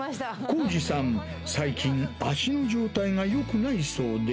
好治さん、最近、足の状態がよくないそうで。